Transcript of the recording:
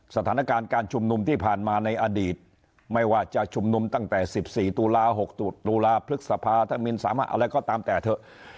สถานการณ์การชุมนุมที่ผ่านมาในอดีตไม่ว่าจะชุมนุมตั้งแต่๑๔ตุลา๖ตุลาพฤษภาถ้ามินสามารถอะไรก็ตามแต่เถอะ